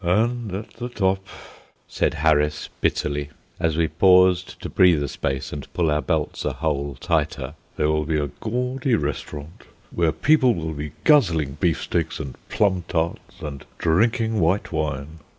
"And at the top," said Harris, bitterly, as we paused to breathe a space and pull our belts a hole tighter, "there will be a gaudy restaurant, where people will be guzzling beefsteaks and plum tarts and drinking white wine."